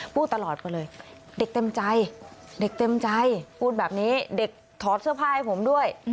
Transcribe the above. พูดตลอดไปเลยเด็กเต็มใจเด็กเต็มใจพูดแบบนี้เด็กถอดเสื้อผ้าให้ผมด้วย